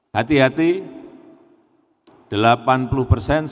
hati hati delapan puluh persen sampai sembilan puluh persen startup gagal saat merintis